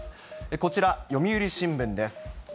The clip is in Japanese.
こちら、読売新聞です。